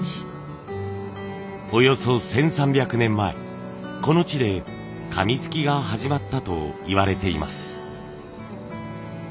およそ１，３００年前この地で紙すきが始まったといわれています。